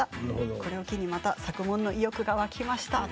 これを機にまた作問の意欲が湧きましたと。